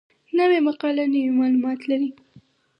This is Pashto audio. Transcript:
نوې مقاله نوي معلومات لري